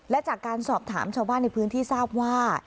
และจากการสอบถามชาวบ้านในพื้นที่ทราบว่า